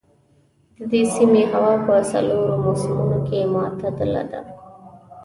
د دې سيمې هوا په څلورو موسمونو کې معتدله ده.